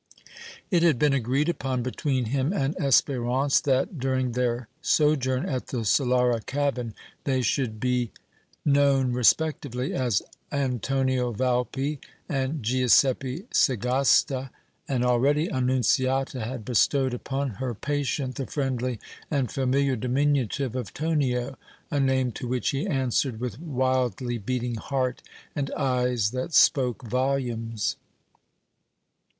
It had been agreed upon between him and Espérance that, during their sojourn at the Solara cabin, they should be known respectively as Antonio Valpi and Guiseppe Sagasta, and already Annunziata had bestowed upon her patient the friendly and familiar diminutive of Tonio, a name to which he answered with wildly beating heart and eyes that spoke volumes.